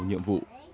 và nhiệm vụ